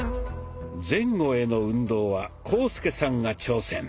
前後への運動は浩介さんが挑戦。